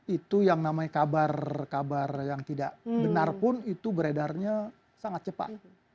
itu yang namanya kabar kabar yang tidak benar pun itu beredarnya sangat cepat